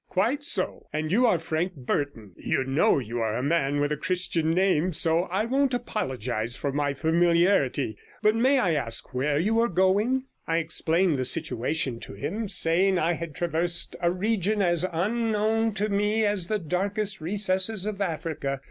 'Quite so. And you are Frank Burton. You know you are a man with a Christian name, so I won't apologise for my familiarity. But may I ask where you are going?' I explained the situation to him, saying I had traversed a region as unknown to me as the darkest recesses of Africa.